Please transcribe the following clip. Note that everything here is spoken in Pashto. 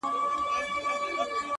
د بلي وني سوري ته نيالي نه غټېږي.